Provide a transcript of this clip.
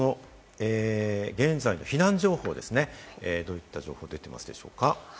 現在の避難情報ですね、どういった情報が出ていますでしょうか？